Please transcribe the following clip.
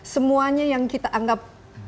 semuanya yang kita anggap